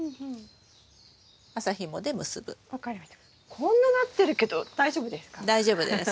こんななってるけど大丈夫ですか？